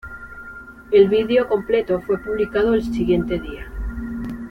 El vídeo completo fue publicado el siguiente día.